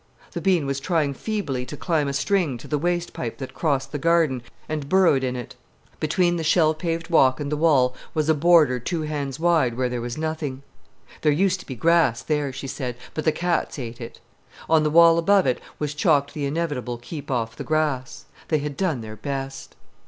The bean was trying feebly to climb a string to the waste pipe that crossed the "garden" and burrowed in it. Between the shell paved walk and the wall was a border two hands wide where there was nothing. "There used to be grass there," she said, "but the cats ate it." On the wall above it was chalked the inevitable "Keep off the Grass." They had done their best.